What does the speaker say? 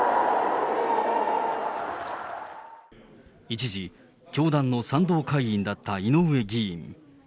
一時、教団の賛同会員だった井上議員。